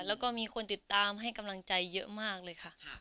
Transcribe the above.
แล้วก็มีคนติดตามให้กำลังใจเยอะมากเลยค่ะ